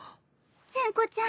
善子ちゃん